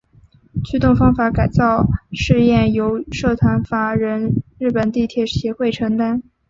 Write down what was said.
驱动方式改造试验由社团法人日本地铁协会承担。